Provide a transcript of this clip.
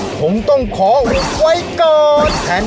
ผมต้องขออุบไว้ก่อน